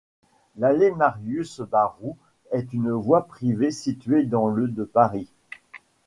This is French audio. L'allée Marius-Barroux est une voie privée située dans le de Paris.